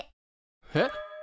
えっ！？